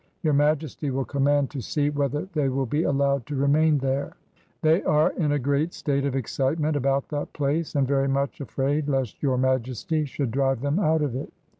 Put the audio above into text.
Your Majesty will command to see whether they will be allowed to remain there. •.• They are in a great state of excitement about that place, and very much afraid lest Your Majesty should drive them out of it.